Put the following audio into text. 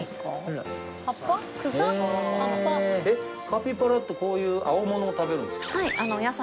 カピバラってこういう青物を食べるんですか？